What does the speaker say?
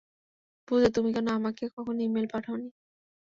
পূজা, তুমি কেন, আমাকে কখনো ইমেল পাঠাওনি?